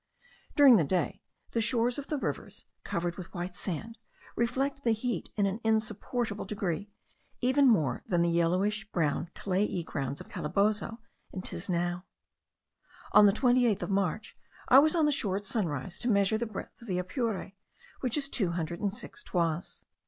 During the day the shores of the rivers, covered with white sand, reflect the heat in an insupportable degree, even more than the yellowish brown clayey grounds of Calabozo and Tisnao. On the 28th of March I was on the shore at sunrise to measure the breadth of the Apure, which is two hundred and six toises.